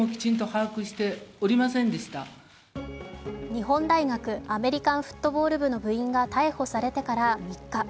日本大学アメリカンフットボール部の部員が逮捕されてから３日。